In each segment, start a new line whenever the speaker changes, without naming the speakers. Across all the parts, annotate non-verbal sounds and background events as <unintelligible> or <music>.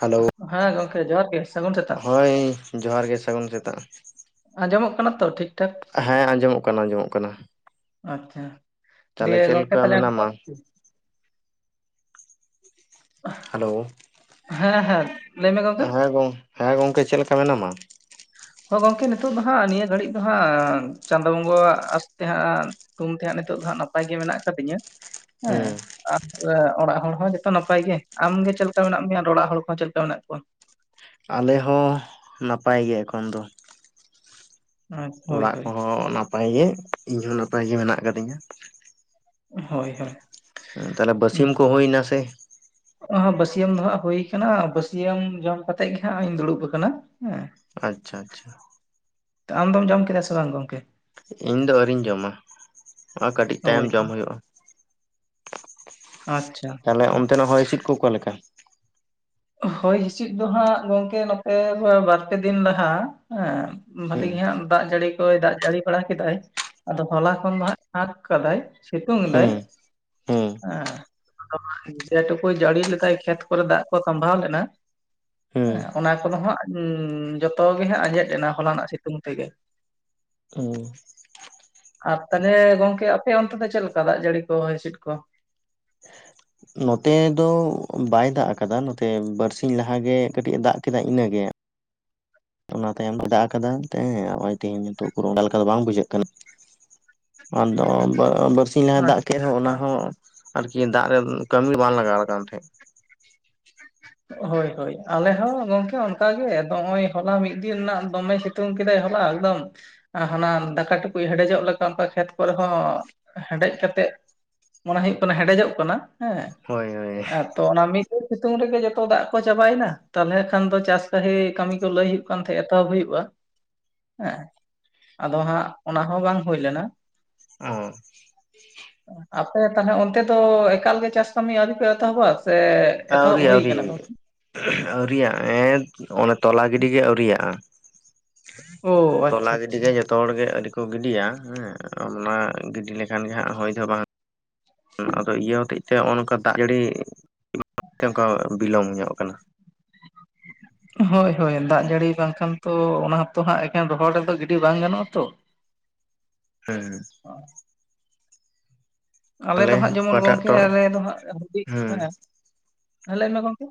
Hello
ᱦᱮᱸ ᱜᱚᱝᱠᱮ ᱡᱚᱦᱟᱨ ᱜᱮ ᱥᱟᱹᱜᱩᱱ ᱥᱮᱛᱟᱜ
ᱦᱳᱭ ᱡᱚᱦᱟᱨ ᱜᱮ ᱥᱟᱹᱜᱩᱱ ᱥᱮᱛᱟᱜ᱾
ᱟᱸᱡᱚᱢᱚᱜ ᱠᱟᱱᱟ ᱛᱚ ᱴᱷᱤᱠ᱾ ᱴᱷᱟᱠ
ᱦᱮᱸ ᱟᱸᱡᱚᱢᱚᱜ ᱠᱟᱱᱟ ᱟᱸᱡᱚᱢᱚᱜ ᱠᱟᱱᱟ᱾
ᱟᱪᱪᱷᱟ
ᱛᱟᱦᱚᱞᱮ
<unintelligible>
ᱪᱮᱫ
ᱜᱚᱝᱠᱮ
ᱞᱮᱠᱟ
ᱛᱟᱦᱞᱮ
ᱢᱮᱱᱟᱢᱟ ᱦᱮᱞᱳ
ᱦᱮᱸ ᱦᱮᱸ ᱞᱟᱹᱭ ᱢᱮ ᱜᱚᱝᱠᱮ
ᱦᱮᱸ ᱜᱚᱝ ᱦᱮᱸ ᱜᱚᱝᱠᱮ ᱪᱮᱫ ᱞᱮᱠᱟ ᱢᱮᱱᱟᱢᱟ᱾
ᱦᱳᱭ ᱜᱚᱝᱠᱮ ᱱᱤᱛᱳ ᱫᱚ ᱦᱟᱸᱜ ᱱᱤᱭᱟᱹ ᱜᱷᱟᱹᱲᱤᱡ ᱫᱚ ᱦᱟᱸᱜ ᱪᱟᱸᱫᱚ ᱵᱚᱸᱜᱟ ᱟᱥᱛᱮ ᱦᱟᱸᱜ ᱛᱩᱢ ᱛᱮᱦᱟᱸᱜ ᱱᱤᱛᱚᱜ ᱫᱚ ᱦᱟᱜ ᱱᱟᱯᱟᱭ ᱜᱮ ᱢᱮᱱᱟᱜ ᱠᱟᱫᱤᱧᱟ ᱦᱮᱸ
ᱦᱩᱸ
<unintelligible> ᱚᱲᱟᱜ ᱦᱚᱲ ᱦᱚᱸ ᱡᱷᱚᱛᱚ ᱱᱟᱯᱟᱭ ᱜᱮ ᱟᱢᱜᱮ ᱪᱮᱞᱠᱟ ᱢᱮᱱᱟᱜ ᱢᱮᱭᱟ ᱟᱨ ᱚᱲᱟᱜ ᱦᱚᱲ ᱠᱚ ᱪᱮᱫ ᱞᱮᱠᱟ ᱢᱮᱱᱟᱜ ᱠᱚᱣᱟ
ᱟᱞᱮ ᱦᱚᱸ ᱱᱟᱯᱟᱭ ᱜᱮ ᱮᱠᱷᱚᱱ ᱫᱚ᱾
ᱦᱮᱸ, ᱦᱳᱭ
ᱚᱲᱟᱜ
ᱦᱳᱭ
ᱠᱚᱦᱚᱸ ᱱᱟᱯᱟᱭ ᱜᱮ ᱤᱧᱦᱚᱸ ᱱᱟᱯᱟᱭ ᱜᱮ ᱢᱮᱱᱟᱜ ᱟᱠᱟᱫᱤᱧᱟ᱾
ᱦᱳᱭ ᱦᱳᱭ
ᱛᱟᱦᱞᱮ ᱵᱟ. ᱥᱭᱟᱢ ᱠᱚ ᱦᱳᱭ ᱱᱟ ᱥᱮ
ᱚᱦᱳ ᱵᱟᱹᱥᱭᱟᱹᱢ ᱫᱚ ᱦᱩᱭ ᱟᱠᱟᱱᱟ ᱵᱟᱹᱥᱭᱟᱹᱢ ᱡᱚᱢ ᱠᱟᱛᱮᱜ ᱜᱮ ᱦᱟᱜ ᱤᱧ ᱫᱩᱲᱩᱵ ᱟᱠᱟᱱᱟ ᱦᱮᱸ
ᱟᱪᱪᱷᱟ ᱟᱪᱪᱷᱟ
ᱟᱢ ᱫᱚᱢ ᱡᱚᱢ ᱠᱮᱫᱟ ᱥᱮ ᱵᱟᱝ ᱜᱚᱝᱠᱮ
ᱤᱧ ᱫᱚ ᱟᱹᱣᱨᱤᱧ ᱡᱚᱢᱟ ᱱᱚᱜᱚᱭ ᱠᱟᱹᱴᱤᱡ ᱛᱟᱭᱚᱢ
ᱦᱳᱭ
ᱡᱚᱢ ᱦᱩᱭᱚᱜᱼᱟ᱾
ᱟᱪᱪᱷᱟ
ᱛᱟᱦᱞᱮ
ᱟᱪᱪᱷᱟ
ᱚᱱᱛᱮ ᱱᱟᱜ ᱦᱚᱭ ᱦᱤᱥᱤᱫ ᱠᱚ ᱚᱠᱟᱞᱮᱠᱟ
ᱦᱚᱭ ᱦᱤᱸᱥᱤᱫ ᱫᱚ ᱦᱟᱸᱜ ᱜᱚᱝᱠᱮ ᱱᱚᱛᱮ ᱫᱚ ᱵᱟᱨᱯᱮ ᱫᱤᱱ ᱞᱟᱦᱟ ᱦᱮᱸ ᱵᱷᱟ. ᱞᱤ ᱜᱤ
ᱦᱩᱸ
ᱦᱟᱸᱜ ᱫᱟᱜ ᱡᱟᱹᱲᱤ ᱠᱚᱭ ᱫᱟᱜ ᱡᱟᱹᱲᱤ ᱵᱟᱲᱟ ᱠᱮᱫᱟᱭ ᱟᱫᱚ ᱦᱚᱞᱟ ᱠᱷᱚᱱ ᱫᱚ ᱦᱟᱸᱜ ᱯᱷᱟᱸᱜ ᱠᱟᱫᱟᱭ ᱥᱤᱛᱩᱝ ᱫᱟᱭ,
ᱦᱩᱸ ᱦᱩᱸ
ᱮᱸᱻ <inaudible> ᱡᱮ ᱴᱩᱠᱩᱭ ᱡᱟᱹᱲᱤ ᱞᱮᱫᱟᱭ ᱠᱷᱮᱛ ᱠᱚᱨᱮ ᱫᱟᱜ ᱠᱚ ᱠᱟᱢᱵᱷᱟᱟᱣ <unintelligible> ᱞᱮᱱᱟ
ᱦᱩᱸ
ᱦᱮᱸ ᱚᱱᱟ ᱠᱚᱫᱚ ᱦᱟᱸᱜ ᱡᱚᱛᱚ ᱜᱮ ᱦᱟᱸᱜ ᱦᱮᱡ ᱞᱮᱱᱟ ᱦᱚᱞᱟᱱᱟᱜ ᱥᱤᱛᱩᱝ ᱛᱮᱜᱮ᱾
ᱦᱩᱸ
ᱟᱨ ᱛᱟᱦᱞᱮ ᱜᱚᱝᱠᱮ ᱟᱯᱮ ᱚᱱᱛᱮ ᱫᱚ ᱪᱮᱫ ᱞᱮᱠᱟ, ᱫᱟᱜ ᱡᱟᱹᱲᱤ ᱠᱚ ᱦᱚᱭ ᱦᱤᱥᱤᱫ ᱠᱚ?
ᱱᱚᱛᱮ ᱫᱚ ᱵᱟᱭ ᱫᱟᱜ ᱟᱠᱟᱫᱟ ᱱᱚᱛᱮ ᱫᱚ ᱵᱟᱨᱥᱤ ᱞᱟᱦᱟᱜᱮ ᱫᱟᱜ ᱟᱠᱟᱫᱟ ᱤᱱᱟᱹᱜᱮ᱾ ᱚᱱᱟ ᱛᱟᱭᱚᱢ ᱫᱟᱜ ᱟᱠᱟᱫᱟᱭ ᱦᱮᱸ ᱛᱦᱤᱧ ᱱᱤᱛᱚᱜ ᱚᱝᱠᱟ ᱞᱮᱠᱟ ᱫᱚ ᱵᱟᱝ ᱵᱩᱡᱷᱟᱹᱜ ᱠᱟᱱᱟ᱾ ᱟᱫᱚ ᱵᱟᱨᱥᱤᱧ ᱞᱟᱦᱟ ᱫᱟᱜ ᱠᱮᱫ ᱚᱱᱟ ᱦᱚᱸ ᱟᱨᱠᱤ ᱫᱟᱜ ᱨᱮ ᱠᱟᱹᱢᱤ ᱵᱟᱝ ᱞᱟᱜᱟᱣ ᱠᱟᱱ ᱛᱟᱦᱮᱸᱫ
ᱦᱳᱭ ᱦᱳᱭ ᱟᱞᱮ ᱦᱚᱸ ᱜᱚᱝᱠᱮ ᱚᱱᱠᱟᱜᱮ ᱱᱚᱜᱚᱭ ᱦᱚᱞᱟ ᱢᱤᱫ ᱫᱤᱱ ᱨᱮᱱᱟᱜ ᱫᱚᱢᱮ ᱥᱤᱛᱩᱝ ᱥᱤᱛᱩᱝ ᱠᱮᱫᱟᱭ ᱦᱚᱞᱟ ᱮᱠᱫᱚᱢ ᱦᱟᱱᱟ ᱫᱟᱠᱟ ᱴᱩᱠᱩᱡ ᱦᱮᱰᱮᱡᱚᱜ ᱞᱮᱠᱟ ᱚᱱᱠᱟ ᱠᱷᱮᱛ ᱠᱚᱨᱮ ᱦᱚᱸ ᱦᱮᱰᱮᱡ ᱠᱟᱛᱮ ᱢᱚᱱᱮ ᱦᱩᱭᱩᱜ ᱠᱟᱱᱟ ᱦᱮᱰᱮᱡᱚᱜ ᱠᱟᱱᱟ ᱦᱮᱸ
ᱦᱳᱭ ᱦᱳᱭ
ᱮ ᱛᱚ ᱚᱱᱟ ᱢᱤᱫ ᱫᱤᱱ ᱥᱤᱛᱩᱝ ᱨᱮᱜᱮ ᱚ ᱫᱟᱜ ᱠᱚ ᱪᱟᱵᱟᱭᱮᱱᱟ ᱛᱟᱦᱚᱞᱮ ᱠᱷᱟᱱ ᱫᱚ ᱪᱟᱥ ᱠᱟᱦᱤ ᱠᱟᱹᱢᱤ ᱠᱚ ᱞᱟᱹᱭ ᱦᱩᱭᱩᱜ ᱠᱟᱱ ᱛᱟᱦᱮᱸ ᱮᱛᱚᱦᱚᱵ ᱦᱩᱭᱩᱜᱼᱟ᱾ ᱦᱮᱸ ᱟᱫᱚ ᱦᱟᱸᱜ ᱚᱱᱟ ᱦᱚᱸ ᱵᱟᱝ ᱦᱩᱭ ᱞᱮᱱᱟ
ᱚ
ᱮᱸ ᱟᱹᱯᱮ ᱛᱟᱦᱚᱞᱮ ᱚᱱᱛᱮ ᱫᱚ ᱮᱠᱟᱹᱞ ᱜᱮ ᱪᱟᱥ ᱠᱟᱹᱢᱤ ᱟᱹᱣᱨᱤᱯᱮ ᱮᱛᱚᱦᱚᱵᱟ? ᱥᱮ ᱮᱛᱚᱦᱚᱵ
ᱟᱹᱣᱨᱤ
ᱦᱩᱭ ᱠᱟᱱᱟ ᱜᱚᱝᱠᱮ
ᱟᱹᱣᱨᱤ ᱚᱱ ᱛᱚᱞᱟ ᱜᱤᱰᱤ ᱜᱮ ᱟᱹᱣᱨᱤᱜᱼᱟ
ᱚ
ᱛᱚᱞᱟ
ᱟᱪᱪᱷᱟ
ᱜᱤᱰᱤ
ᱟᱪᱪᱷᱟ
ᱜᱮ ᱡᱚ ᱡᱚᱛᱚ ᱦᱚᱲ ᱜᱮ ᱟᱹᱣᱨᱤ ᱠᱚ ᱜᱤᱰᱤᱭᱟ, ᱦᱮᱸ ᱚᱱᱟ ᱜᱤᱰᱤ ᱞᱮᱠᱷᱟᱱ ᱜᱮ ᱦᱟᱹᱜ ᱦᱳᱭ ᱫᱚ ᱵᱟᱝ ᱟᱫᱚ ᱤᱭᱟᱹ ᱦᱚᱛᱮᱡ ᱛᱮ ᱱᱚᱜ ᱱᱚᱝᱠᱟ ᱫᱟᱜ ᱡᱟᱲᱤ <inaudible> ᱵᱤᱞᱚᱢ ᱧᱚᱜ ᱟᱠᱟᱱᱟ᱾
ᱦᱳᱭ ᱦᱳᱭ ᱫᱟᱜ ᱡᱟᱹᱲᱤ ᱵᱟᱝᱠᱷᱟᱱ ᱛᱚ ᱚᱱᱟ ᱦᱚᱛᱚ ᱦᱟᱸᱜ ᱮᱠᱮᱱ ᱨᱚᱦᱚᱲ ᱨᱮᱫᱚ ᱜᱤᱰᱤ ᱵᱟᱝ ᱜᱟᱱᱚᱜᱼᱟ ᱛᱚ,
ᱦᱮᱸ
ᱟᱞᱮ ᱫᱚ
ᱛᱟᱦᱚᱞᱮ
ᱦᱟᱹᱜ ᱡᱮᱢᱚᱱ
ᱚᱠᱟᱴᱟᱜ
ᱜᱚᱝᱠᱮ
ᱴᱚ
ᱟᱞᱮ ᱫᱚ
ᱦᱩᱸ
<unintelligible> ᱞᱟᱹᱭ ᱢᱮ ᱜᱚᱢᱠᱮ᱾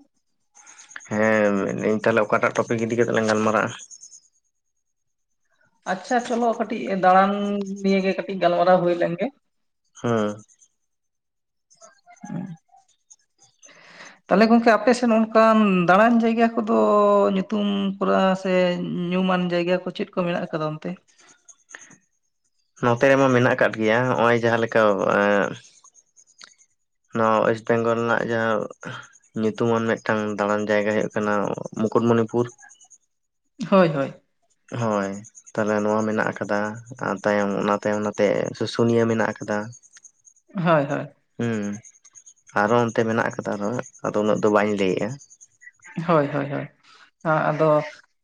ᱦᱮᱸ ᱛᱟᱦᱚᱞᱮ ᱢᱮᱱᱫᱤᱧ ᱚᱠᱟᱴᱟᱜ ᱴᱚᱯᱤᱠ ᱤᱫᱤ ᱠᱟᱛᱮᱜ ᱞᱟᱝ ᱜᱟᱞᱢᱟᱨᱟᱜᱼᱟ?
ᱟᱪᱪᱷᱟ ᱪᱚᱞᱚ ᱠᱟᱹᱴᱤᱡ ᱫᱟᱬᱟᱱ ᱱᱤᱭᱟ ᱜᱮ ᱠᱟᱹᱴᱤᱡ ᱜᱟᱞᱢᱟᱨᱟᱣ ᱦᱩᱭ ᱞᱮᱱᱜᱮ᱾
ᱦᱩᱸ
ᱩᱸ <inaudible> ᱛᱟᱦᱚᱞᱮ ᱜᱚᱝᱠᱮ ᱟᱯᱮ ᱥᱮᱱ ᱚᱱᱠᱟᱱ ᱫᱟᱬᱟᱱ ᱡᱟᱭᱜᱟ ᱠᱚᱫᱚ ᱧᱩᱛᱩᱢ ᱠᱚ ᱨᱮ ᱧᱩᱢᱟᱱ ᱡᱟᱭᱜᱟ ᱠᱚ ᱪᱮᱫ ᱠᱚ ᱢᱮᱱᱟᱜ ᱟᱠᱟᱫᱟ ᱚᱱᱛᱮ?
ᱱᱚᱛᱮ ᱨᱮ ᱦᱚᱸ ᱢᱮᱱᱟᱜ ᱟᱠᱟᱫ ᱜᱮᱭᱟ ᱱᱚ ᱚᱭ ᱡᱟᱦᱟᱸᱦᱞᱮᱠᱟ ᱮᱸ ᱱᱚᱣᱟ ᱳᱭᱮᱥᱴ ᱵᱮᱝᱜᱚᱞ ᱨᱮᱱᱟᱜ ᱡᱟᱦᱟᱸ ᱧᱩᱛᱩᱢᱟᱱ ᱢᱤᱫᱴᱟᱝ ᱫᱟᱬᱟᱱ ᱡᱟᱭᱜᱟ ᱦᱩᱭᱩᱜᱜ ᱠᱟᱱᱟ ᱢᱩᱠᱩᱴᱢᱩᱱᱤᱯᱩᱨ᱾
ᱦᱳᱭ ᱦᱳᱭ
ᱦᱳᱭ ᱛᱟᱦᱟᱞᱮ ᱱᱚᱣᱟ ᱢᱮᱱᱟᱜ ᱟᱠᱟᱫᱟ ᱟᱨ ᱛᱟᱭᱚᱢ ᱚᱱᱟ ᱛᱟᱭᱚᱢ ᱚᱱᱟᱛᱮ ᱥᱩᱥᱩᱱᱤᱭᱟᱹ ᱢᱮᱱᱟᱜ ᱟᱠᱟᱫᱟ᱾
ᱦᱳᱭ ᱦᱳᱭ
ᱦᱩᱸ, ᱟᱨᱦᱚᱸ ᱚᱱᱛᱮ ᱢᱮᱱᱟᱜ ᱟᱠᱟᱫᱟ ᱟᱨᱦᱚᱸ, ᱟᱫᱚ ᱩᱱᱟᱹᱜ ᱫᱚ ᱵᱟᱹᱧ ᱞᱟᱹᱭᱮᱫᱼᱟ᱾
ᱦᱳᱭ ᱦᱳᱭ ᱦᱳᱭ᱾ ᱟᱫᱚ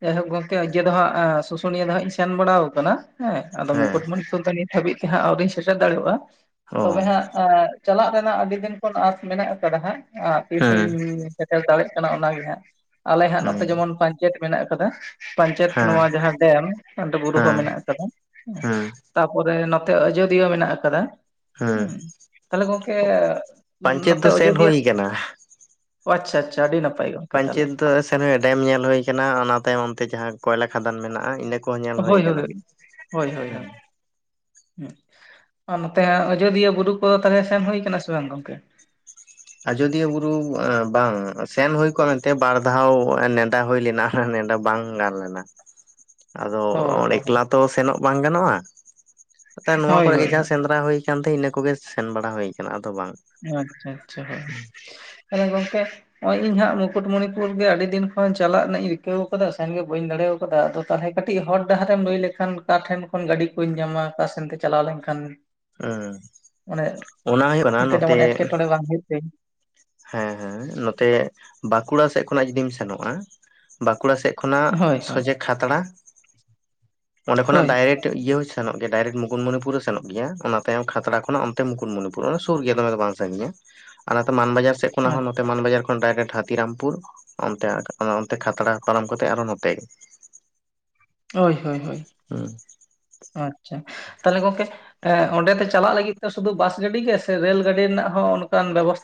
ᱡᱟᱭᱦᱳᱠ ᱜᱚᱝᱠᱮ ᱤᱭᱟᱹ ᱫᱚ ᱦᱟᱸᱜ, ᱥᱩᱥᱩᱱᱤᱭᱟᱹ ᱫᱚ ᱦᱟᱸᱜ ᱤᱧ ᱥᱮᱱ ᱵᱟᱲᱟ ᱟᱠᱟᱱᱟ᱾ ᱦᱮᱸ, ᱟᱫᱚ
ᱦᱮᱸ
ᱢᱩᱠᱩᱴᱢᱩᱱᱤᱯᱩᱨ ᱫᱚ ᱱᱤᱛ ᱦᱟᱹᱵᱤᱡ ᱛᱮ ᱦᱟᱸᱜ ᱟᱹᱣᱨᱤᱧ ᱥᱮᱴᱮᱨ ᱫᱟᱲᱮᱭᱟᱜᱼᱟ ᱾
ᱚ
ᱛᱚᱵᱮ ᱦᱟᱸᱜ-ᱟ ᱪᱟᱞᱟᱜ ᱨᱮᱱᱟᱜ ᱟᱹᱰᱤ ᱫᱤᱱ ᱠᱷᱚᱱ ᱟᱸᱥ ᱢᱮᱱᱟᱜ ᱟᱠᱟᱫᱟ ᱦᱟᱸᱜ,
ᱦᱮᱸ
ᱛᱤᱥᱤᱧ ᱥᱮᱴᱮᱨ ᱫᱟᱲᱮᱭᱟᱜ ᱠᱟᱱᱟ ᱚᱱᱟ ᱜᱮ ᱟᱞᱮ ᱦᱟᱸᱜ ᱱᱚᱛᱮ
ᱦᱮᱸ
ᱡᱮᱢᱚᱱ ᱯᱟᱧᱪᱮᱛ ᱢᱮᱱᱟᱜ ᱟᱠᱟᱫᱟ᱾ ᱯᱟᱧᱪᱟᱭᱮᱛ
ᱦᱮᱸ
ᱱᱚᱣᱟ ᱡᱟᱦᱟᱸ ᱰᱮᱢ ᱾ ᱚᱸᱰᱮ ᱵᱩᱨᱩ ᱦᱚᱸ
ᱦᱮᱸ
ᱢᱮᱱᱟᱜ ᱟᱠᱟᱫᱟ ᱦᱮᱸ᱾ ᱛᱟᱯᱚᱨᱮ ᱱᱚᱛᱮ ᱟᱡᱚᱫᱤᱭᱟᱹ ᱢᱮᱱᱟᱜ ᱟᱠᱟᱫᱟ᱾
ᱦᱮᱸ
ᱦᱩᱸ, ᱛᱟᱦᱚᱞᱮ ᱜᱚᱝᱠᱮ
ᱯᱟᱧᱪᱮᱛ
ᱱᱚᱛᱮ
ᱫᱚ ᱥᱮᱱ
ᱚᱡᱳᱫᱤᱭᱟᱹ
ᱦᱩᱭ
ᱥᱮᱫ
ᱠᱟᱱᱟ
ᱟᱪᱪᱷᱟ, ᱟᱪᱪᱷᱟ, ᱟᱹᱰᱤ ᱱᱟᱯᱟᱭ ᱚᱜ᱾
ᱯᱟᱧᱪᱮᱛ ᱫᱚ ᱥᱮᱱ ᱰᱮᱢ ᱧᱮᱞ ᱦᱳᱭ ᱟᱠᱟᱱᱟ᱾ ᱚᱱᱟ ᱛᱟᱭᱚᱢ ᱚᱱᱛᱮ ᱡᱟᱦᱟᱸ ᱠᱚᱭᱞᱟ ᱠᱷᱟᱫᱟᱱ ᱢᱮᱱᱟᱜᱼᱟ᱾ ᱤᱱᱟᱹ ᱠᱚ
ᱦᱳᱭ ᱦᱳᱭ ᱦᱳᱭ, ᱦᱳᱭ ᱦᱳᱭ ᱦᱳᱭ᱾ ᱟ ᱱᱚᱛᱮ ᱟᱡᱚᱫᱤᱭᱟᱹ ᱵᱩᱨᱩ ᱠᱚᱫᱚ ᱛᱟᱦᱚᱞᱮ ᱥᱮᱱ ᱦᱳᱭ ᱠᱟᱱᱟ ᱥᱮ ᱵᱟᱝ ᱜᱚᱝᱠᱮ?
ᱟᱡᱚᱫᱤᱭᱟᱹ ᱵᱩᱨᱩ ᱮ ᱵᱟᱝ ᱥᱮᱱ ᱦᱳᱭ ᱠᱚᱜᱼᱟ ᱢᱮᱱᱛᱮ, ᱵᱟᱨ ᱫᱷᱟᱣ ᱱᱮᱰᱟ ᱦᱳᱭ ᱞᱮᱱᱟ᱾ ᱱᱮᱰᱟ ᱵᱟᱝ ᱜᱟᱱ ᱞᱮᱱᱟ᱾ ᱟᱫᱚ
ᱚ ᱦᱚ
ᱚᱸᱰᱮ
ᱦᱳᱭ
ᱮᱠᱞᱟ ᱛᱚ ᱥᱮᱱᱚᱜ ᱵᱟᱝ ᱜᱟᱱᱚᱜᱼᱟ ᱾ ᱮᱛᱚᱭᱮᱵ ᱱᱚᱣᱟ
ᱦᱳᱭ
ᱠᱚᱨᱮ ᱜᱮ
ᱦᱳᱭ
ᱡᱟᱦᱟᱸ ᱥᱮᱸᱫᱽᱨᱟ ᱦᱳᱭ ᱠᱟᱱᱛᱮ ᱤᱱᱟᱹ ᱠᱚᱜᱮ ᱥᱮᱱ ᱵᱟᱲᱟ ᱦᱳᱭ ᱠᱟᱱᱟ, ᱟᱫᱚ ᱵᱟᱝ᱾
ᱚ ᱟᱪᱪᱷᱟ ᱟᱪᱪᱷᱟ ᱦᱳᱭ, ᱛᱟᱦᱚᱞᱮ ᱜᱚᱝᱠᱮ ᱦᱚᱜᱼᱚᱭ ᱤᱧ ᱦᱟᱸᱜ ᱢᱩᱠᱩᱴᱢᱚᱱᱤᱯᱩᱨ ᱜᱮ ᱟᱹᱰᱤ ᱫᱤᱱ ᱠᱷᱚᱱ ᱜᱮ ᱪᱟᱞᱟᱜ ᱨᱮᱱᱟᱜ ᱤᱧ ᱨᱤᱠᱟᱹᱣ ᱟᱠᱟᱫᱟ᱾ ᱥᱮᱱ ᱜᱮ ᱵᱟᱹᱧ ᱫᱟᱲᱮ ᱟᱫᱚ ᱛᱟᱦᱚᱞᱮ ᱠᱟᱹᱴᱤᱡ ᱦᱚᱨ ᱟᱫᱚ ᱟᱫᱚ ᱛᱟᱦᱚᱞᱮ ᱰᱟᱦᱟᱨᱮᱢ ᱞᱟᱹᱭ ᱞᱮᱠᱷᱟᱱ᱾ ᱚᱠᱟ ᱴᱷᱮᱱ ᱠᱷᱚᱱ ᱜᱟᱹᱰᱤ ᱠᱩᱧ ᱧᱟᱢᱟ, ᱚᱠᱟ ᱥᱮᱱᱛᱮ ᱪᱟᱞᱟᱣ ᱞᱮᱱᱠᱷᱟᱱ
ᱦᱮᱸ,
ᱚᱱᱮ
ᱚᱱᱟ ᱜᱮ ᱚᱱᱟ ᱜᱮ
ᱚᱱᱠᱟ ᱡᱮᱢᱚᱱ ᱮᱴᱠᱮᱴᱚᱲᱮ ᱵᱟᱝ ᱦᱳᱭᱳᱜ ᱛᱤᱧ᱾
ᱦᱮᱸ ᱦᱮᱸ, ᱱᱚᱛᱮ ᱵᱟᱸᱠᱩᱲᱟ ᱥᱮᱫ ᱠᱷᱚᱱᱟᱜ ᱡᱩᱫᱤᱢ ᱥᱮᱱᱚᱜᱼᱟ ᱵᱟᱸᱠᱩᱲᱟ ᱥᱮᱫ ᱠᱷᱚᱱᱟᱜ
ᱦᱳᱭ ᱦᱳᱭ
ᱥᱚᱡᱷᱮ ᱠᱷᱟᱛᱲᱟ, ᱚᱸᱰᱮ ᱠᱷᱚᱱᱟᱜ
ᱦᱳᱭ
ᱰᱟᱭᱨᱮᱠᱴ ᱤᱭᱟᱹ ᱦᱚᱸ ᱥᱮᱱᱚᱜ ᱜᱮᱭᱟ ᱰᱟᱭᱨᱮᱠᱴ ᱢᱩᱴᱢᱩᱱᱤᱯᱩᱨ ᱦᱚᱸ ᱥᱮᱱᱚᱜ ᱜᱮᱭᱟ, ᱚᱱᱟ ᱛᱟᱭᱚᱢ ᱠᱷᱟᱛᱲᱟ ᱠᱷᱚᱱᱟᱜ ᱚᱱᱛᱮ ᱢᱩᱠᱩᱴᱢᱚᱱᱤᱯᱩᱨ᱾ ᱚᱱᱟ ᱥᱳᱨ ᱜᱮᱭᱟ ᱫᱚ ᱢᱮ ᱫᱚ ᱵᱟᱝ ᱥᱟᱜᱤᱧ-ᱟ, ᱟᱞᱮ ᱱᱚᱛᱮ ᱢᱟᱱᱵᱟᱡᱟᱨ ᱥᱮᱫ ᱠᱷᱚᱱᱟᱜ ᱦᱚᱸ ᱢᱟᱱᱡᱟᱨ ᱰᱟᱭᱨᱮᱠᱴ ᱦᱟᱹᱛᱤᱨᱟᱢᱯᱩᱨ ᱚᱱᱛᱮ, ᱠᱷᱟᱛᱲᱟ ᱯᱟᱨᱚᱢ ᱠᱟᱛᱮ ᱟᱨᱦᱚᱸ ᱱᱚᱛᱮ
ᱦᱳᱭ ᱦᱳᱭ ᱦᱳᱭ, ᱟᱪᱪᱷᱟ᱾ ᱛᱟᱦᱚᱞᱮ ᱜᱚᱝᱠᱮ ᱮᱜ ᱚᱸᱰᱮ ᱛᱮ ᱪᱟᱞᱟᱜ ᱞᱟᱹᱜᱤᱫ ᱛᱮ ᱥᱩᱫᱷᱩ ᱵᱟᱥ ᱜᱟᱹᱰᱤ ᱜᱮ ᱥᱮ ᱨᱮᱹᱞ ᱜᱟᱹᱰᱤ ᱨᱮᱱᱟᱜ ᱦᱚᱸ ᱚᱱᱠᱟᱱ ᱵᱮᱵᱚᱥ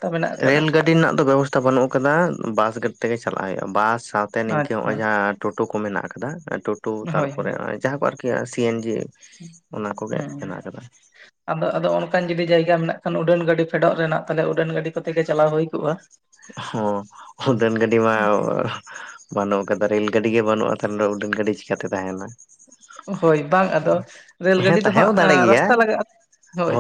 ᱨᱮᱹᱞ ᱜᱟᱹᱰᱤ ᱨᱮᱱᱟᱜ ᱫᱚ ᱵᱮᱵᱚᱥᱛᱷᱟ ᱵᱟᱹᱱᱩᱜ ᱟᱠᱟᱫᱟ᱾ ᱵᱟᱥ ᱜᱟᱹᱰᱤ ᱛᱮᱜᱮ ᱪᱟᱞᱟᱜ ᱦᱩᱭᱩᱜᱼᱟ, ᱵᱟᱥ ᱥᱟᱫ ᱛᱮ ᱱᱤᱝᱠᱟᱹ
ᱟᱪᱪᱷᱟ
ᱱᱚᱜ-ᱚᱭ ᱡᱟᱦᱟᱸ, ᱴᱳᱴᱳ ᱠᱚ ᱢᱮᱱᱟᱜ ᱟᱠᱟᱫᱟ ᱴᱳᱴ ᱴᱳ
ᱦᱳᱭ
ᱛᱟᱨᱯᱚᱨᱮ
ᱦᱳᱭ
ᱡᱟᱦᱟᱸ ᱠᱚ ᱟᱨ ᱠᱤ ᱥᱤ ᱮᱱ ᱡᱤ ᱚᱱᱟ ᱠᱚᱜᱮ
ᱦᱮᱸ
ᱢᱮᱱᱟᱜ ᱟᱠᱟᱫᱟ᱾
ᱟᱫᱚ ᱟᱫᱚ ᱚᱱᱠᱟᱱ ᱡᱩᱫᱤ ᱡᱟᱭᱜᱟ ᱢᱮᱱᱟᱜ ᱠᱷᱟᱱ, ᱩᱰᱟᱹᱱ ᱜᱟᱹᱰᱤ ᱯᱷᱮᱰᱚᱜ ᱨᱮᱱᱟᱜ, ᱛᱟᱦᱚᱞᱮ ᱩᱰᱟᱹᱱ ᱜᱟᱹᱰᱤ ᱠᱚᱛᱮ ᱜᱮ ᱪᱟᱞᱟᱣ ᱦᱳᱭ ᱠᱚᱜᱼᱟ᱾
ᱦᱚᱸ, ᱩᱰᱟᱹᱱ ᱜᱟᱰᱤ ᱢᱟ ᱵᱟᱹᱱᱩᱜ ᱟᱠᱟᱫᱟ ᱨᱮᱹᱞ ᱜᱟᱹᱰᱤ ᱜᱮ ᱵᱟᱹᱱᱩᱜᱼᱟ, ᱛᱟᱦᱮ ᱩᱰᱟᱹᱱ ᱜᱟᱹᱰᱤ ᱪᱤᱠᱟᱹᱛᱮ ᱛᱟᱦᱮᱱᱟ᱾
ᱦᱳᱭ ᱵᱟᱝ ᱟᱫᱚ ᱨᱮᱹᱞ
ᱦᱮᱸ
ᱜᱟᱹᱰᱤ ᱫᱚ
ᱛᱟᱦᱮᱸ
ᱦᱟᱸᱜ
ᱦᱚᱸ ᱫᱟᱲᱮ ᱜᱮᱭᱟ
ᱨᱟᱥᱛᱟ ᱞᱟᱜᱟᱜᱼᱟ, ᱦᱳᱭ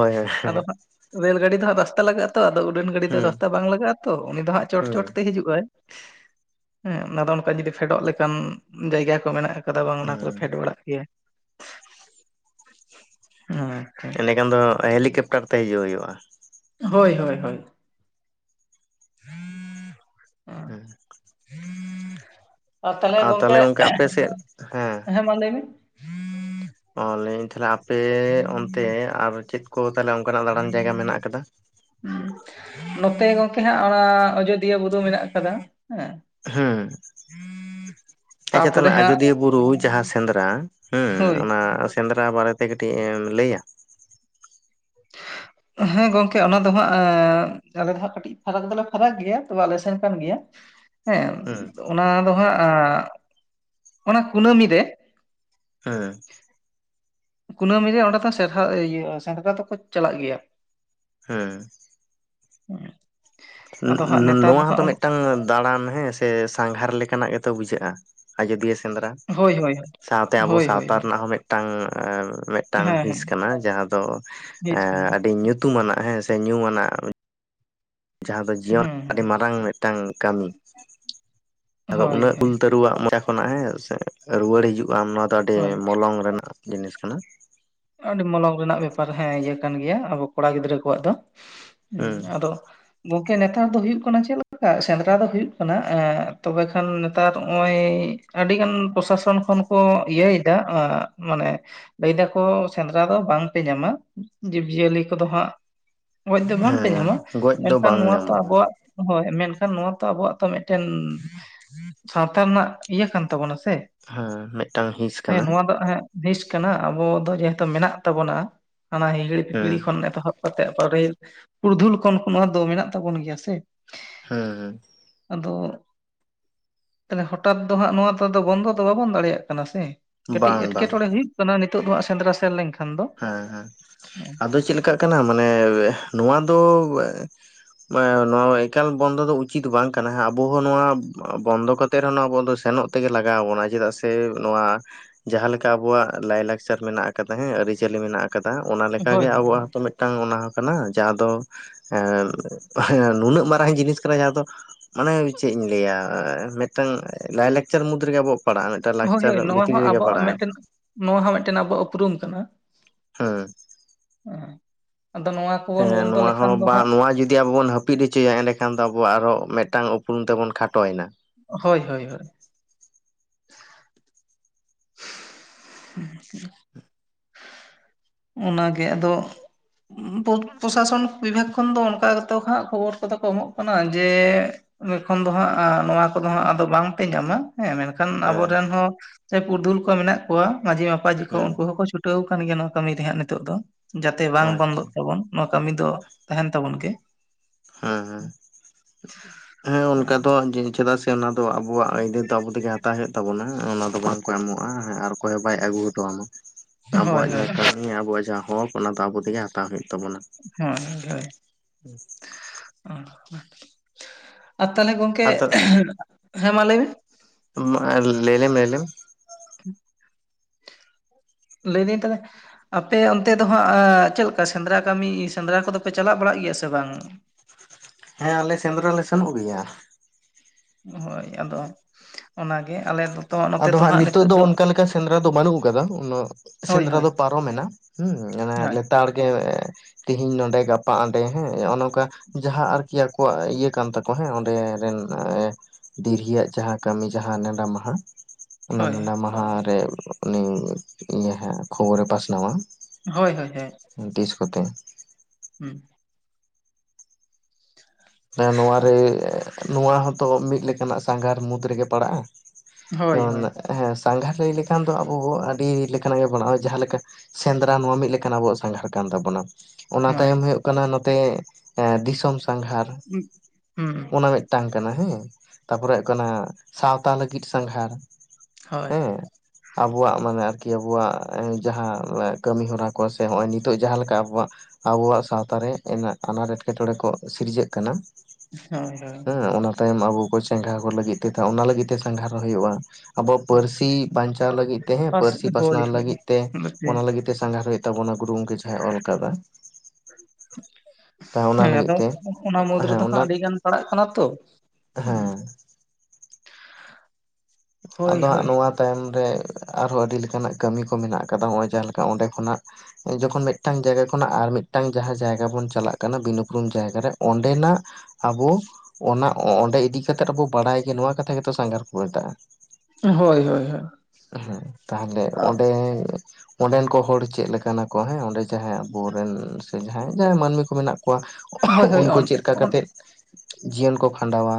ᱟᱫᱚ ᱦᱟᱸᱜ ᱨᱮᱹᱞ ᱜᱟᱹᱰᱤ ᱫᱚ ᱦᱟᱸᱜ ᱨᱟᱥᱛᱟ ᱞᱟᱜᱟᱜ -ᱟ ᱛᱚ, ᱟᱫᱚ ᱩᱰᱟᱹᱱ ᱜᱟᱹᱰᱤ ᱫᱚ
ᱦᱩᱸ
ᱨᱟᱥᱛᱟ ᱵᱟᱝ ᱞᱟᱜᱟᱜᱼᱟ ᱛᱚ᱾ ᱩᱱᱤ ᱫᱚ ᱦᱟᱸᱜ ᱪᱚᱴ
ᱦᱩᱸ
ᱪᱚᱴ ᱛᱮ ᱦᱤᱡᱩᱜᱼᱟᱭ᱾ ᱥᱤ ᱟᱫᱚ ᱚᱱᱠᱟ ᱡᱩᱫᱤ ᱯᱷᱮᱰᱚᱜ ᱞᱮᱠᱟᱱ ᱡᱟᱭᱜᱟ ᱠᱚ ᱢᱮᱱᱟᱜ-ᱟ᱾ ᱚᱱᱠᱟ ᱫᱚ ᱵᱟᱝ, ᱚᱱᱟ ᱠᱚᱨᱮ
ᱦᱩᱸ
ᱯᱷᱮᱰ ᱵᱟᱲᱟᱜ ᱜᱮᱭᱟ ᱾ ᱦᱩᱸ
ᱮᱸᱰᱮᱠᱷᱟᱱ ᱫᱚ ᱦᱮᱞᱤᱠᱮᱯᱴᱟᱨ ᱛᱮ ᱦᱤᱡᱩᱜ ᱦᱩᱭᱩᱜᱼᱟ᱾
ᱦᱳᱭ ᱦᱳᱭ ᱦᱳᱭ᱾
ᱦᱮᱸ
ᱟᱨ ᱛᱟᱦᱚᱞᱮ ᱜᱚᱝᱠᱮ, ᱦᱮᱸ ᱢᱟ ᱞᱟᱹᱭ ᱢᱮ᱾
ᱚ ᱞᱟᱹᱭ ᱟᱹᱧ ᱛᱟᱦᱞᱮ ᱟᱯᱮ ᱚᱱᱛᱮ ᱟᱨ ᱪᱮᱫ ᱠᱚ ᱛᱟᱦᱞᱮ ᱚᱱᱠᱟ ᱱᱟᱜ ᱫᱟᱬᱟᱱ ᱡᱟᱭᱜᱟ ᱢᱮᱱᱟᱜ ᱟᱠᱟᱫᱟ?
ᱱᱚᱛᱮ ᱜᱚᱝᱠᱮ ᱦᱟᱸᱜ, ᱚᱱᱟ ᱟᱡᱚᱫᱤᱭᱟᱹ ᱵᱩᱨᱩ ᱢᱮᱱᱟᱜ ᱟᱠᱟᱫᱟ ᱦᱮᱸ᱾
ᱦᱩᱸ ᱟᱪᱪᱷᱟ,
ᱛᱟᱯᱚᱨᱮ
ᱛᱟᱦᱞᱮ
ᱦᱟᱸᱜ
ᱟᱡᱚᱫᱤᱭᱟᱹ ᱵᱩᱨᱩ ᱡᱟᱦᱟᱸ ᱥᱮᱸᱫᱽᱨᱟ ᱦᱩᱸ,
ᱦᱳᱭ
ᱚᱱᱟ ᱥᱮᱸᱫᱽᱨᱟ ᱵᱟᱨᱮᱛᱮ ᱠᱟᱹᱴᱤᱡ ᱮᱢ ᱞᱟᱹᱭ-ᱟ?
ᱦᱮᱸ, ᱜᱚᱝᱠᱮ ᱚᱱᱟ ᱫᱚ ᱦᱟᱸᱜ, ᱟᱞᱮ ᱫᱚ ᱦᱟᱸᱜ ᱠᱟᱹᱴᱤᱡ ᱯᱷᱟᱨᱟᱠ ᱫᱚᱞᱮ ᱯᱷᱟᱨᱟᱠ ᱜᱮᱭᱟ, ᱛᱚᱵᱮ ᱟᱞᱮ ᱥᱮᱱ ᱠᱟᱱ ᱜᱮᱭᱟ᱾ ᱦᱮᱸ,
ᱦᱩᱸ
ᱚᱱᱟ ᱫᱚ ᱦᱟᱸᱜ-ᱟ, ᱚᱱᱟ ᱠᱩᱱᱟᱹᱢᱤ ᱨᱮ
ᱦᱮᱸ
ᱠᱩᱱᱟᱹᱢᱤ ᱨᱮ ᱚᱸᱰᱮ ᱫᱚ ᱥᱮᱦᱨᱟ <unintelligible> ᱥᱮᱸᱫᱽᱨᱟ ᱫᱚᱠᱚ ᱪᱟᱞᱟᱜ ᱜᱮᱭᱟ᱾
ᱦᱮᱸ
<inaudible> ᱟᱫᱚ ᱦᱟᱸᱜ
ᱱᱚ-ᱱᱚ
ᱱᱮᱛᱟᱨ
ᱱᱚᱣᱟ
ᱫᱚ
ᱦᱚᱸᱛᱚ
ᱦᱟᱸᱜ
ᱢᱮᱫᱴᱟᱝ ᱫᱟᱬᱟᱱ ᱦᱮᱸ ᱥᱮ ᱥᱟᱸᱜᱷᱟᱨ ᱞᱮᱠᱟᱱᱟᱜ ᱜᱮᱛᱚ ᱵᱩᱡᱷᱟᱹᱜᱼᱟ, ᱟᱡᱚᱫᱤᱭᱟᱹ ᱥᱮᱸᱫᱽᱨᱟ?
ᱦᱳᱭ ᱦᱳᱭ
ᱥᱟᱶᱛᱮ ᱟᱵᱚ
ᱦᱳᱭ ᱦᱳᱭ
ᱥᱟᱶᱛᱟ
ᱦᱳᱭ
ᱨᱮᱱᱟᱜ ᱦᱚᱸ ᱢᱮᱫ ᱴᱟᱝ ᱢᱮᱫᱴᱟᱝ
ᱦᱮᱸ ᱦᱮᱸ
ᱦᱤᱸᱥ ᱠᱟᱱᱟ ᱡᱟᱦᱟᱸ ᱫᱚ
ᱦᱤᱸᱥ ᱠᱟᱱᱟ ᱦᱩᱸ
ᱟᱹᱰᱤ ᱧᱩᱛ ᱧᱩᱛᱩᱢᱟᱱᱟᱜ ᱦᱮᱸ ᱥᱮ ᱧᱩ ᱟᱱᱟᱜ ᱡᱟᱦᱟᱸ ᱫᱚ ᱡᱤᱭᱚᱱ
ᱦᱩᱸ
ᱟᱹᱰᱤ ᱢᱟᱨᱟᱝ ᱢᱤᱫ ᱢᱤᱫᱴᱟᱝ ᱠᱟᱹᱢᱤ, ᱟᱫᱚ
ᱦᱳᱭ
ᱩᱱᱟᱹᱜ
ᱦᱳᱭ
ᱩᱞ ᱛᱟᱹᱨᱩᱣᱟᱜ ᱢᱟᱪᱟ ᱠᱷᱚᱱᱟᱜ ᱦᱮᱸ ᱨᱩᱣᱟᱹᱲ ᱦᱤᱡᱩᱜ ᱟ ᱱᱚᱣᱟ ᱫᱚ ᱟᱹᱰᱤ
ᱦᱳᱭ
ᱢᱚᱞᱚᱝ ᱨᱮᱱᱟᱜ ᱡᱤᱱᱤᱥ ᱠᱟᱱᱟ᱾
ᱟᱹᱰᱤ ᱢᱚᱞᱚᱝ ᱨᱮᱱᱟᱜ ᱵᱮᱯᱟᱨ ᱦᱮᱸ ᱤᱭᱟᱹ ᱠᱟᱱ ᱜᱮᱭᱟ, ᱟᱵᱚ ᱠᱚᱲᱟ ᱜᱤᱫᱽᱨᱟᱹ ᱠᱚᱣᱟᱜ ᱫᱚ᱾ ᱦᱮᱸ ᱟᱫᱚ ᱜᱚᱝᱠᱮ ᱱᱮᱛᱟᱨ ᱫᱚ ᱦᱩᱭᱩᱜ ᱠᱟᱱᱟ, ᱪᱮᱫ ᱞᱮᱠᱟ ᱥᱮᱸᱫᱽᱨᱟ ᱫᱚ ᱦᱩᱭᱩᱜ ᱠᱟᱱᱟ ᱛᱚᱵᱮ ᱠᱷᱟᱱ ᱱᱮᱛᱟᱨ ᱱᱚᱜᱼᱚᱭ ᱟᱹᱰᱤ ᱜᱟᱱ ᱯᱨᱚᱥᱟᱥᱚᱱ ᱠᱷᱚᱱ ᱠᱚ ᱤᱭᱟᱹᱭᱮᱫᱟ ᱢᱟᱱᱮ ᱞᱟᱹᱭ ᱫᱟ ᱠᱚ ᱥᱮᱸᱫᱽᱨᱟ ᱫᱚ ᱵᱟᱝᱯᱮ ᱧᱟᱢᱟ ᱡᱤᱵᱽᱡᱤᱭᱟᱹᱞᱤ ᱠᱚᱫᱚ ᱦᱟᱸᱜ ᱜᱚᱡ ᱫᱚ ᱵᱟᱝᱯᱮ
ᱦᱮᱸ
ᱧᱟᱢᱟ
ᱜᱚᱡ ᱫᱚ
ᱢᱮᱱᱠᱷᱟᱱ
ᱵᱟᱝ
ᱱᱚᱣᱟ ᱛᱚ
ᱧᱟᱢᱚᱜᱼᱟ
ᱟᱵᱚᱣᱟᱜ ᱦᱳᱭ ᱢᱮᱱᱠᱷᱟᱱ ᱱᱚᱣᱟ ᱛᱚ ᱟᱵᱚᱣᱟᱜ ᱛᱚ ᱢᱤᱫᱴᱮᱱ ᱥᱟᱶᱛᱟ ᱨᱮᱱᱟᱜ ᱤᱭᱟᱹ ᱠᱟᱱ ᱛᱟᱵᱚᱱᱟ ᱥᱮ?
ᱦᱮᱸ ᱢᱤᱫᱴᱟᱝ ᱦᱤᱸᱥ
ᱦᱮᱸ
ᱠᱟᱱᱟ
ᱱᱚᱣᱟ ᱫᱚ ᱦᱮ ᱦᱤᱥ ᱠᱟᱱᱟ ᱟᱵᱚ ᱡᱮᱦᱮᱛᱩ ᱢᱮᱱᱟᱜ ᱛᱟᱵᱚᱱᱟ, ᱦᱟᱱᱟ ᱦᱤᱸᱦᱤᱲᱤᱼᱯᱤᱯᱤᱲᱤ
ᱦᱮᱸ
ᱠᱷᱚᱱ ᱮᱛᱚᱦᱚᱵ ᱯᱟᱛᱮᱫ <unintelligible> ᱯᱟᱨᱮᱞ <unintelligible> ᱯᱩᱨᱫᱷᱩᱞ ᱠᱷᱚᱱ ᱱᱚᱣᱟ ᱫᱚ ᱢᱮᱱᱟᱜ ᱛᱟᱵᱚᱱ ᱜᱮᱭᱟ ᱥᱮ?
ᱦᱮᱸ ᱦᱮᱸ
ᱟᱫᱚ ᱛᱟᱦᱞᱮ ᱦᱚᱴᱟᱛ ᱫᱚ ᱦᱟᱸᱜ ᱱᱚᱣᱟ ᱛᱚ ᱵᱚᱱᱫᱚ ᱫᱚ ᱵᱟᱵᱚᱱ ᱫᱟᱲᱮᱭᱟᱜ ᱠᱟᱱᱟ ᱥᱮ ᱠᱟᱹᱴᱤᱡ
ᱵᱟᱝ ᱵᱟᱝ
ᱮᱴᱠᱮᱴᱚᱬᱮ ᱦᱩᱭᱩᱜ ᱠᱟᱱᱟ᱾ ᱱᱤᱛᱚᱜ ᱫᱚ ᱦᱟᱸᱜ ᱥᱮᱸᱫᱽᱨᱟ ᱥᱮᱱ ᱞᱮᱱᱠᱷᱟᱱ ᱫᱚ
ᱦᱮᱸ ᱦᱮᱸ
ᱦᱮᱸ
ᱟᱫᱚ ᱪᱮᱫ ᱞᱮᱠᱟᱜ ᱠᱟᱱᱟ ᱢᱟᱱᱮ ᱱᱚᱣᱟ ᱫᱚ ᱱᱚᱣᱟ ᱮᱠᱟᱞ ᱵᱚᱱᱫᱚ ᱫᱚ ᱩᱪᱤᱛ ᱵᱟᱝ ᱠᱟᱱᱟ ᱟᱵᱚ ᱦᱚᱸ ᱱᱚᱣᱟ ᱵᱚᱱᱫᱚ ᱠᱟᱛᱮ ᱛᱮ ᱨᱮᱦᱚᱸ ᱟᱵᱚ ᱫᱚ ᱥᱮᱱᱚᱜ ᱛᱮᱜᱮ ᱞᱟᱜᱟᱣ ᱵᱚᱱᱟ ᱪᱮᱫᱟᱜ ᱥᱮ ᱱᱚᱣᱟ ᱡᱟᱦᱟᱸ ᱞᱮᱠᱟ ᱟᱵᱚᱣᱟᱜ ᱞᱟᱭᱞᱟᱠᱪᱟᱨ ᱢᱮᱱᱟᱜ ᱟᱠᱟᱫᱟ ᱟᱹᱨᱤᱪᱟᱹᱞᱤ ᱢᱮᱱᱟᱜ ᱟᱠᱟᱫᱟ ᱚᱱᱟ
ᱦᱳᱭ
ᱞᱮᱠᱟᱜᱮ
ᱦᱳᱭ
ᱟᱵᱚᱣᱟᱜ ᱦᱚᱸᱛᱚ ᱢᱤᱫᱴᱟᱝ ᱚᱱᱟ ᱦᱚᱸ ᱠᱟᱱᱟ ᱡᱟᱦᱟᱸ ᱫᱚ ᱱᱩᱱᱟᱹᱜ ᱢᱟᱨᱟᱝ ᱡᱤᱱᱤᱥ ᱠᱟᱱᱟ ᱡᱟᱦᱟᱸ ᱫᱚ ᱢᱟᱱᱮ ᱪᱮᱫ ᱤᱧ ᱞᱟᱹᱭᱟ ᱢᱤᱫᱴᱟᱝ ᱞᱟᱭᱞᱟᱠᱪᱟᱨ ᱢᱩᱫᱽ ᱨᱮᱜᱮ ᱟᱵᱚᱣᱟᱜ ᱯᱟᱲᱟᱜᱼᱟ ᱢᱤᱫᱴᱟᱝ
ᱦᱳᱭ
ᱞᱟᱠᱪᱟᱨ
ᱦᱳᱭ ᱱᱚᱣᱟ
ᱵᱷᱤᱛᱨᱤ
ᱦᱚᱸ
ᱨᱮᱜᱮ
ᱟᱵᱚᱣᱟᱜ
ᱯᱟᱲᱟᱜᱼᱟ
ᱢᱤᱫᱴᱮᱱ ᱱᱚᱣᱟ ᱦᱚᱸ ᱢᱤᱫᱴᱮᱱ ᱟᱵᱚᱣᱟᱜ ᱩᱯᱨᱩᱢ ᱠᱟᱱᱟ᱾
ᱦᱮᱸ
ᱦᱮᱸ ᱟᱫᱚ ᱱᱚᱣᱟ ᱠᱚᱵᱚᱱ
ᱦᱮᱸ
ᱵᱚᱱᱫᱚ
ᱱᱚᱣᱟ
ᱞᱮᱠᱷᱟᱱ
ᱦᱚᱸ
ᱫᱚ
ᱵᱟ
ᱦᱟᱸᱜ
ᱱᱚᱣᱟ ᱦᱚᱸ ᱡᱩᱫᱤ ᱟᱵᱚ ᱵᱚᱱ ᱡᱟᱹᱯᱤᱫ ᱦᱚᱪᱚᱭᱟ ᱮᱱᱠᱷᱟᱱ ᱫᱚ ᱟᱵᱚᱣᱟᱜ ᱟᱨᱦᱚᱸ ᱢᱤᱫᱴᱟᱝ ᱩᱯᱨᱩᱢ ᱛᱮᱵᱚᱱ ᱠᱷᱟᱴᱚᱭᱮᱱᱟ
ᱦᱳᱭ ᱦᱳᱭ ᱦᱳᱭ <unintelligible> ᱚᱱᱟᱜᱮ ᱟᱫᱚ ᱯᱨᱚᱥᱟᱥᱚᱱ ᱵᱤᱵᱷᱟᱜᱽ ᱠᱷᱚᱱ ᱫᱚ ᱚᱱᱠᱟ ᱦᱟᱜ ᱠᱷᱚᱵᱚᱨ ᱠᱚᱫᱚ ᱠᱚ ᱮᱢᱚᱜ ᱠᱟᱱᱟ ᱡᱮ ᱮᱸᱰᱮ ᱠᱷᱚᱱ ᱫᱚ ᱦᱟᱸᱜ ᱱᱚᱣᱟ ᱠᱚᱫᱚ ᱦᱟᱸᱜ ᱟᱫᱚ ᱵᱟᱝᱯᱮ ᱧᱟᱢᱟ ᱦᱮᱸ ᱠᱷᱟᱱ
ᱦᱮᱸ
ᱟᱵᱚᱨᱮᱱ ᱦᱚᱸ ᱯᱩᱨᱩᱫᱷᱩᱞ ᱠᱚ ᱢᱮᱱᱟᱜ ᱠᱚᱣᱟ ᱢᱟᱺᱡᱷᱤ- ᱢᱟᱯᱟᱡᱷᱤ ᱠᱚ
ᱦᱮᱸ
ᱩᱱᱠᱩ ᱦᱚᱸᱠᱚ ᱪᱩᱴᱤᱜ ᱟ ᱪᱷᱩᱴᱟᱹᱣ ᱟᱠᱚ ᱜᱮᱭᱟ᱾ ᱱᱚᱣᱟ ᱠᱟᱹᱢᱤ ᱨᱮ ᱦᱟᱸᱜ ᱱᱤᱛᱚᱜ ᱫᱚ ᱡᱟᱛᱮ ᱵᱟᱝ ᱵᱚᱱᱫᱚᱜ
ᱟᱪᱪᱷᱟ
ᱛᱟᱵᱚᱱ ᱱᱚᱣᱟ ᱠᱟᱹᱢᱤ ᱫᱚ ᱛᱟᱦᱮᱱ ᱛᱟᱵᱚᱱ ᱜᱮ
ᱦᱮᱸ ᱦᱮᱸ ᱦᱮᱸ ᱚᱱᱠᱟ ᱫᱚ ᱪᱮᱫᱟᱜ ᱥᱮ ᱚᱱᱟ ᱫᱚ ᱟᱵᱚᱣᱟᱜ ᱟᱹᱭᱫᱟᱹᱨ ᱫᱚ ᱟᱵᱚ ᱛᱮᱜᱮ ᱦᱟᱛᱟᱣ ᱦᱩᱭᱩᱜ ᱛᱟᱵᱚᱱᱟ ᱚᱱᱟ ᱫᱚ ᱵᱟᱝ ᱠᱚ ᱮᱢᱚᱜᱼᱟ ᱟᱨ ᱚᱜᱩ ᱦᱚᱸ ᱵᱟᱭ ᱟᱹᱜᱩ
ᱦᱳᱭ
ᱟᱵᱚᱣᱟᱜ
ᱦᱳᱭ
ᱡᱟᱦᱟᱸ ᱠᱟᱹᱢᱤ ᱟᱵᱩᱣᱟᱜ ᱡᱟᱦᱟᱸ ᱦᱚᱠ ᱚᱱᱟ ᱫᱚ ᱟᱵᱚ ᱛᱮᱜᱮ ᱦᱟᱛᱟᱣ ᱦᱩᱭᱩᱜ ᱛᱟᱵᱚᱱᱟ᱾
ᱦᱮᱸ ᱦᱮ ᱟᱨ ᱛᱟᱦᱚᱞᱮ ᱜᱚᱝᱠᱮ ᱦᱮᱸ ᱢᱟ ᱞᱟᱹᱭ ᱢᱮ
ᱞᱟᱹᱭ ᱞᱮᱢ ᱞᱟᱹᱭ ᱞᱮᱢ ᱾
ᱴᱷᱤᱠ ᱞᱟᱹᱭ ᱫᱧ ᱛᱟᱦᱚᱞᱮ <unintelligible> ᱟᱯᱮ ᱚᱱᱛᱮ ᱫᱚ ᱦᱟᱸᱜ ᱪᱮᱫ ᱞᱮᱠᱟ ᱥᱮᱸᱫᱽᱨᱟ ᱠᱟᱹᱢᱤ ᱥᱮᱸᱫᱽᱨᱟ ᱠᱚᱫᱚᱯᱮ ᱪᱟᱞᱟᱜ ᱵᱟᱲᱟᱜ ᱜᱮᱭᱟ ᱥᱮ ᱵᱟᱝ
ᱦᱮᱸ ᱟᱞᱮ ᱥᱮᱸᱫᱽᱨᱟ ᱞᱮ ᱥᱮᱱᱚᱜ ᱜᱮᱭᱟ
ᱦᱳᱭ ᱟᱫᱚ ᱚᱱᱟᱜᱮ ᱟᱞᱮ ᱫᱚ
ᱟᱫᱚ ᱦᱟᱸᱜ ᱱᱤᱛᱚᱜ ᱫᱚ ᱚᱱᱠᱟ ᱞᱮᱠᱟ ᱥᱮᱸᱫᱽᱨᱟ ᱫᱚ ᱵᱟᱹᱱᱩᱜ ᱟᱠᱟᱫᱟ ᱩᱱᱟᱹᱜ
ᱦᱳᱭ
ᱥᱮᱸᱫᱽᱨᱟ
ᱦᱳᱭ
ᱫᱚ ᱯᱟᱨᱚᱢᱮᱱᱟ ᱦᱮᱸ ᱢᱮ
ᱦᱳᱭ
ᱞᱮᱛᱟᱲ ᱜᱮ ᱛᱮᱦᱮᱧ ᱱᱚᱰᱮ ᱜᱟᱯᱟ ᱦᱟᱸᱰᱮ ᱦᱮᱸ ᱱᱚᱜᱼᱚ ᱱᱚᱝᱠᱟ ᱡᱟᱦᱟᱸ ᱟᱨᱠᱤ ᱟᱠᱚᱣᱟᱜ ᱤᱭᱟᱹ ᱠᱟᱱ ᱛᱟᱠᱚ ᱦᱮᱸ ᱚᱸᱰᱮ ᱨᱮᱱ ᱰᱤᱨᱦᱤᱭᱟᱜ ᱡᱟᱦᱟᱸ ᱠᱟᱹᱢᱤ ᱡᱟᱦᱟᱸ ᱱᱮᱰᱟ ᱢᱟᱦᱟ ᱚᱱᱟ
ᱦᱳᱭ
ᱱᱮᱰᱟ ᱢᱟᱦᱟ ᱩᱱᱤ ᱤᱭᱟᱹ ᱠᱷᱚᱵᱚᱨᱮ ᱯᱟᱥᱱᱟᱣᱟ
ᱦᱳᱭ ᱦᱳᱭ ᱦᱳᱭ
ᱛᱤᱥ ᱠᱚᱛᱮ
ᱦᱮᱸ
ᱱᱚᱣᱟ ᱨᱮ ᱱᱚᱣᱟ ᱦᱚᱸᱛᱚ ᱢᱤᱫ ᱞᱮᱠᱟᱱᱟᱜ ᱥᱟᱸᱜᱷᱟᱨ ᱢᱩᱫᱽ ᱨᱮᱜᱮ ᱯᱟᱲᱟᱜᱼᱟ
ᱦᱳᱭ
ᱡᱮᱢᱚᱱ
ᱦᱳᱭ
ᱦᱮ ᱥᱟᱸᱜᱷᱟᱨ ᱞᱟᱹᱭ ᱞᱮᱠᱷᱟᱱ ᱫᱚ ᱟᱵᱚ ᱟᱹᱰᱤ ᱞᱮᱠᱟᱱᱟᱜ ᱜᱮ ᱵᱟ ᱡᱟᱦᱟᱸ ᱞᱮᱠᱟ ᱥᱮᱸᱫᱽᱨᱟ ᱱᱚᱣᱟ ᱢᱤᱫ ᱞᱮᱠᱟᱱᱜ ᱟᱵᱚᱣᱟᱜ ᱥᱟᱸᱜᱷᱟᱨ ᱠᱟᱱ ᱛᱟᱵᱚᱱᱟ᱾ ᱚᱱᱟ
ᱦᱳᱭ
ᱛᱟᱭᱚᱢ ᱦᱩᱭᱩᱜ ᱠᱟᱱᱟ ᱱᱚᱛᱮ ᱫᱤᱥᱚᱢ ᱮ ᱥᱟᱸᱜᱷᱟᱨ᱾
ᱩᱸᱜ ᱦᱮᱸ᱾
ᱚᱱᱟ ᱢᱤᱫᱴᱟᱝ ᱠᱟᱱᱟ ᱦᱮᱸ ᱛᱟᱯᱚᱨᱮ ᱠᱟᱱᱟ ᱥᱟᱶᱛᱟ ᱞᱟᱹᱜᱤᱫ ᱥᱟᱸᱜᱷᱟᱨ᱾
ᱦᱳᱭ
ᱦᱮᱸ ᱟᱵᱚᱣᱟᱜ ᱢᱟᱱᱮ ᱟᱨᱠᱤ ᱟᱵᱩᱣᱟᱜ ᱡᱟᱦᱟᱸ ᱠᱟᱹᱢᱤᱦᱚᱨᱟ ᱠᱚ, ᱥᱮ ᱱᱚᱜ ᱚᱭ ᱱᱤᱛᱚᱜ ᱡᱟᱦᱟᱸ ᱞᱮᱠᱟ ᱟᱵᱚᱣᱟᱜ ᱟᱵᱩᱣᱟᱜ ᱥᱟᱶᱛᱟ ᱨᱮ ᱮᱱᱮ ᱟᱱᱟᱴ ᱮᱸᱴᱠᱮᱴᱚᱬᱮ ᱠᱚ ᱥᱤᱨᱡᱟᱹᱜ ᱠᱟᱱᱟ
ᱦᱳᱭ ᱦᱳᱭ
ᱦᱮᱸ ᱚᱱᱟ ᱮᱢ ᱟᱜᱩ ᱠᱚ ᱪᱮᱸᱜᱷᱟ ᱠᱚ ᱞᱟᱹᱜᱤᱫ ᱛᱮ ᱚᱱᱟ ᱞᱟᱹᱜᱤᱫ ᱛᱮ ᱥᱟᱸᱜᱷᱟᱨ ᱦᱩᱭᱩᱜᱼᱟ᱾ ᱟᱵᱚ ᱯᱟᱹᱨᱥᱤ ᱵᱟᱧᱪᱟᱣ ᱞᱟᱹᱜᱤᱫ ᱛᱮ ᱦᱮᱸ
ᱵᱟᱥ
ᱯᱟᱹᱨᱥᱤ
ᱦᱳᱭ
ᱯᱟᱥᱱᱟᱣ
ᱦᱳᱭ
ᱞᱟᱹᱜᱤᱫ ᱛᱮ
ᱱᱚᱛᱮ
ᱚᱱᱟ ᱞᱟᱹᱜᱤᱫ ᱛᱮ ᱥᱟᱸᱜᱷᱟᱨ ᱦᱩᱭᱩᱜ ᱛᱟᱵᱚᱱᱟ ᱜᱩᱨᱩ ᱜᱚᱢᱠᱮ ᱡᱟᱦᱟᱸ ᱚᱞ ᱠᱟᱫᱟ, ᱛᱟ ᱚᱱᱟ
ᱦᱮᱸ
ᱞᱟᱹᱜᱤᱫ
ᱟᱫᱚ
ᱛᱮ
ᱚᱱᱟ ᱢᱩᱫᱽ
ᱦᱮᱸ
ᱨᱮᱫᱚ ᱦᱟᱸᱜ
ᱚᱱᱟ
ᱟᱹᱰᱤ ᱜᱟᱱ ᱯᱟᱲᱟᱣᱜ ᱠᱟᱱᱟ ᱛᱚ, ᱩᱸ᱾
ᱦᱮᱸ
ᱦᱳᱭ
ᱟᱫᱚ ᱦᱟᱸᱜ
ᱦᱳᱭ
ᱱᱚᱣᱟ ᱛᱟᱭᱚᱢ ᱨᱮ ᱟᱨᱦᱚᱸ ᱟᱹᱰᱤ ᱞᱮᱠᱟᱱᱟᱜ ᱠᱟᱹᱢᱤ ᱠᱚ ᱢᱮᱱᱟᱜ ᱟᱠᱟᱫᱟ, ᱱᱚᱜ ᱚᱭ ᱡᱟᱦᱟᱸ ᱞᱮᱠᱟ ᱚᱸᱰᱮ ᱠᱷᱚᱱᱟᱜ ᱡᱚᱠᱷᱚᱱ ᱢᱤᱫᱴᱟᱝ ᱡᱟᱭᱜᱟ ᱠᱷᱚᱱᱟᱜ ᱟᱨ ᱢᱤᱫᱴᱟᱝ ᱡᱟᱦᱟᱸ ᱡᱟᱭᱜᱟ ᱵᱚᱱ ᱪᱟᱞᱟᱜ ᱠᱟᱱᱟ ᱵᱤᱱᱩᱯᱩᱨᱩᱢ ᱡᱟᱭᱜᱟᱨᱮ ᱚᱸᱰᱮᱱᱟᱜ ᱟᱵᱚ ᱚᱱᱟ ᱚᱸᱰᱮ ᱤᱫᱤ ᱠᱟᱛᱮᱜᱵᱚ ᱵᱟᱰᱟᱭ ᱜᱮ ᱱᱚᱣᱟ ᱠᱟᱛᱷᱟ ᱜᱮᱛᱚ ᱥᱟᱸᱜᱷᱟᱨ ᱠᱚ ᱢᱮᱛᱟᱜᱼᱟ᱾
ᱦᱳᱭ ᱦᱳᱭ ᱦᱳᱭ᱾
ᱦᱩᱸ ᱛᱟᱦᱚᱞᱮ ᱚᱸᱰᱮ ᱚᱸᱰᱮᱱ ᱠᱚ ᱦᱚᱲ ᱪᱮᱫ ᱞᱮᱠᱟᱱᱟ ᱠᱚ ᱦᱮᱸ ᱚᱸᱰᱮ ᱡᱟᱦᱟᱸ ᱟᱵᱚᱨᱮᱱ ᱥᱮ ᱡᱟᱦᱟᱸᱭ ᱵᱟᱝ ᱢᱟᱹᱱᱢᱤ ᱠᱚ ᱢᱮᱱᱟᱜ ᱠᱚᱣᱟ
ᱦᱳᱭ ᱦᱳᱭ
ᱩᱱᱠᱩ ᱪᱮᱫ ᱠᱟ ᱠᱟᱛᱮᱜ ᱡᱤᱭᱚᱱ ᱠᱚ ᱠᱷᱟᱸᱰᱟᱣᱟ᱾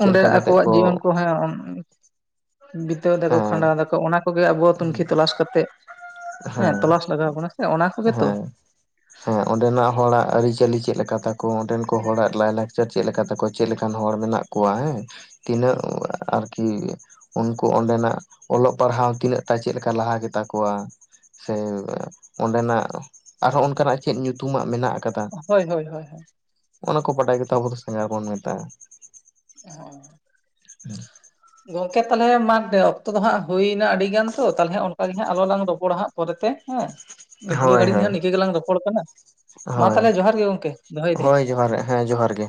ᱪᱮᱫ
ᱚᱸᱰᱮ
ᱞᱮᱠᱟ ᱠᱟᱛᱮᱜ
ᱟᱠᱚᱣᱟᱜ ᱡᱤᱭᱚᱱ ᱠᱚ ᱦᱮᱸ, ᱵᱤᱛᱟᱹᱣ ᱫᱟᱠᱚ
ᱦᱮᱸ
ᱠᱷᱟᱸᱰᱟᱣ ᱫᱟᱠᱚ ᱚᱱᱟ ᱠᱚᱜᱮ ᱟᱵᱚ ᱛᱩᱱᱠᱷᱤ ᱛᱚᱞᱟᱥ ᱠᱟᱛᱮᱜ, ᱦᱮᱸ ᱛᱚᱞᱟᱥ ᱞᱟᱜᱟᱣ ᱵᱚᱱᱟ ᱥᱮ ᱚᱱᱟ ᱠᱚᱜᱮ ᱛᱚ?
ᱦᱮᱸ ᱦᱮᱸ ᱚᱸᱰᱮᱱᱟᱜ ᱦᱚᱲᱟᱜ ᱟᱹᱨᱤᱪᱟᱹᱞᱤ ᱪᱮᱫ ᱞᱮᱠᱟ ᱛᱠᱚᱣᱟ ᱚᱸᱰᱮᱱ ᱠᱚ ᱦᱚᱲᱟᱜ ᱞᱟᱭ-ᱞᱟᱠᱪᱟᱨ ᱪᱮᱫ ᱞᱮᱠᱟ ᱛᱟᱠᱚᱣᱟ ᱪᱮᱫ ᱞᱮᱠᱟᱱ ᱦᱚᱲ ᱢᱮᱱᱟᱜ ᱠᱚᱣᱟ ᱦᱮᱸ ᱛᱤᱱᱟᱹᱜ ᱟᱨ ᱠᱤ ᱩᱱᱠᱩ ᱚᱱᱰᱮᱱᱟᱜ ᱚᱞᱚᱜ ᱯᱟᱲᱦᱟᱣ ᱛᱤᱱᱟᱹᱜ ᱴᱟ ᱪᱮᱫ ᱞᱮᱠᱟ ᱞᱟᱦᱟ ᱜᱮ ᱛᱟᱠᱚᱣᱟ ᱥᱮ ᱚᱸᱰᱮᱱᱟᱜ ᱟᱨᱦᱚᱸ ᱚᱱᱠᱟᱱᱟᱜ ᱪᱮᱫ ᱧᱩᱛᱩᱢᱟᱜ ᱢᱮᱱᱟᱜ ᱟᱠ ᱠᱟᱫᱟ
ᱦᱳᱭ ᱦᱳᱭ ᱦᱳᱭ ᱦᱳᱭ
ᱚᱱᱟ ᱠᱚ ᱵᱟᱰᱟᱭ ᱠᱟᱛᱮ ᱟᱵᱚ ᱫᱚ ᱥᱟᱸᱜᱷᱟᱨ ᱵᱚᱱ ᱢᱮᱛᱟᱜᱼᱟ᱾
ᱚᱦᱚᱸ <inaudible>
<inaudible>
ᱦ ᱜᱚᱝᱠᱮ ᱛᱟᱦᱚᱞᱮ ᱢᱟᱫ ᱚᱠᱛᱚ ᱫᱚ ᱦᱟᱸᱜ ᱦᱩᱭᱱᱟ ᱟᱹᱰᱤ ᱜᱟᱱ ᱛᱚ ᱛᱟᱦᱞᱮ ᱚᱱᱟᱜ ᱜᱮ ᱦᱟᱸᱜ ᱟᱞᱚ ᱞᱟᱝ ᱨᱚᱯᱚᱲᱟ ᱦᱜ ᱯᱚᱨᱮᱛᱮ ᱦᱮᱸ ᱢᱤᱫ ᱱᱤᱭᱟᱹ
ᱦᱳᱭ
ᱜᱷᱟᱹᱲᱤᱡ
ᱦᱳᱭ
ᱱᱟᱦᱟᱜ ᱱᱤᱝᱟᱹ ᱜᱮᱞᱟᱝ ᱨᱚᱯᱚᱲ ᱠᱟᱱᱟ, ᱢᱟ
ᱦᱳᱭ
ᱛᱟᱦᱞᱮ ᱡᱚᱦᱟᱨ ᱜᱮ ᱜᱚᱝᱠᱮ ᱫᱚᱦᱚᱭ ᱫᱟᱹᱧ᱾ᱦᱚᱸ
ᱦᱳᱭ ᱡᱚᱦᱟᱨ ᱦᱮᱸ ᱡᱚᱦᱟᱨ ᱜᱮ᱾